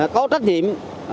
có trách nhiệm